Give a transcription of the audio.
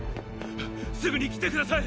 すぐに来て下さい！！